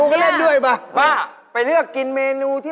ปลาดิบก็มี